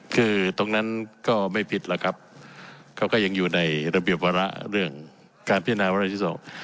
คือตรงนั้นก็ไม่ผิดหรอกครับเขาก็ยังอยู่ในระเบียบวาระเรื่องการพิจารณาวาระที่สอง